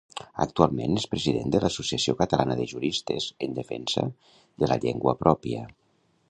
Actualment és president de l'Associació Catalana de Juristes en defensa de la llengua pròpia.